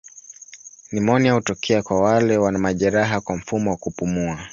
Nimonia hutokea kwa wale wana majeraha kwa mfumo wa kupumua.